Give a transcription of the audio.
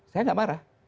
saya gak marah